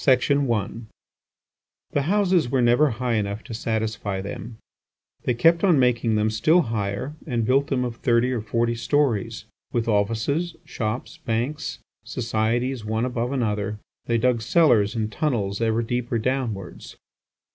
I The houses were never high enough to satisfy them; they kept on making them still higher and built them of thirty or forty storeys: with offices, shops, banks, societies one above another; they dug cellars and tunnels ever deeper downwards.